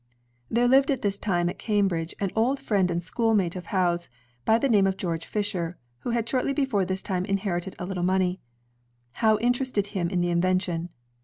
There lived at this time at Cambridge, an old friend and schoolmate of Howe's by the name of George Fisher, who had shortly before this time inherited a little money. Howe interested him in the invention.